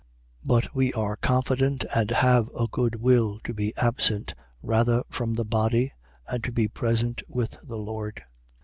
5:8. But we are confident and have a good will to be absent rather from the body and to be present with the Lord.